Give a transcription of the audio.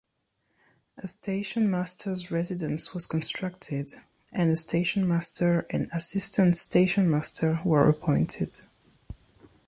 A station-master's residence was constructed, and a station-master and assistant station-master were appointed.